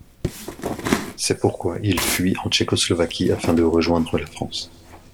C’est pourquoi il fuit en Tchécoslovaquie, afin de rejoindre la France.